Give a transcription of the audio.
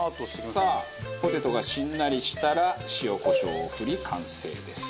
さあポテトがしんなりしたら塩コショウを振り完成です。